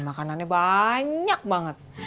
makanannya banyak banget